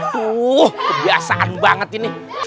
tuh kebiasaan banget ini